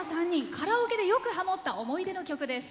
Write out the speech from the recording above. カラオケでよくハモった思い出の曲です。